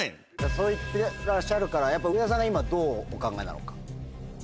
そう言ってらっしゃるから上田さんが今どうお考えなのか。